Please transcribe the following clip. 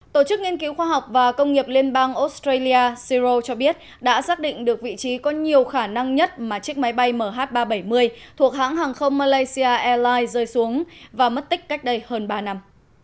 tổ chức nghiên cứu khoa học và công nghiệp liên bang australia siro cho biết đã xác định được vị trí có nhiều khả năng nhất mà chiếc máy bay mh ba trăm bảy mươi thuộc hãng hàng không malaysia airlines rơi xuống và mất tích cách đây hơn ba năm